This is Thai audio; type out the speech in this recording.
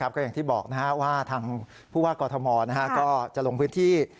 ก็อย่างที่บอกว่าทางผู้ว่ากอทมก็จะลงพื้นที่